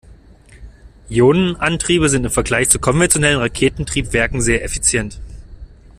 Ionenantriebe sind im Vergleich zu konventionellen Raketentriebwerken sehr effizient.